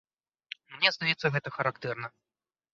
Мне здаецца, гэта характэрна.